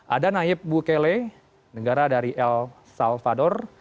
ada naib bukele negara dari el salvador